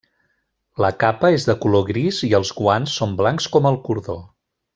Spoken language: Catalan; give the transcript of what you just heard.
La capa és de color gris i els guants són blancs com el cordó.